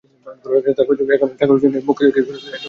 এখানে ঠাকুরের জিনিস, মুখ থেকে ফেলে এঁটো করে বসবে।